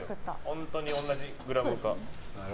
本当に同じグラムか。